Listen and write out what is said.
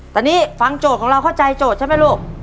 แต่นี่ฟังโจทย์ของเราเข้าใจโจทย์ใช่ไหมลูก